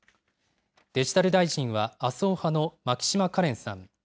デジタル大臣は麻生派の牧島かれんさん。